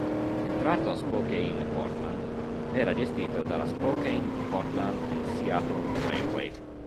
Il tratto Spokane-Portland era gestito dalla Spokane, Portland and Seattle Railway.